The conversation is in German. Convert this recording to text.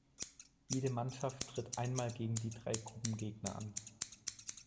Jede Mannschaft tritt einmal gegen die drei Gruppengegner an.